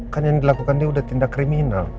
kan yang dilakukan dia sudah tindak kriminal